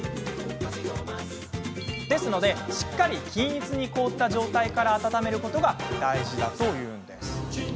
なのでしっかり均一に凍った状態から温めることが大事なんです。